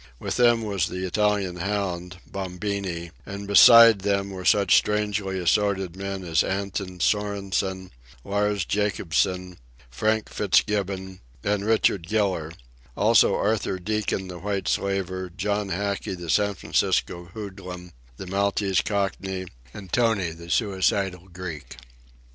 With them was the Italian hound, Bombini, and beside them were such strangely assorted men as Anton Sorensen, Lars Jacobsen, Frank Fitzgibbon, and Richard Giller—also Arthur Deacon the white slaver, John Hackey the San Francisco hoodlum, the Maltese Cockney, and Tony the suicidal Greek.